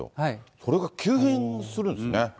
それが急変するんですね。